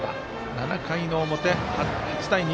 ７回の表、８対２。